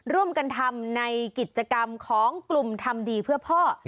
ร่วมกันทำในกิจกรรมของกลุ่มทำดีเพื่อพ่อ